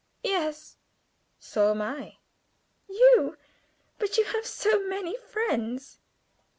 "Yes." "So am I." "You! But you have so many friends."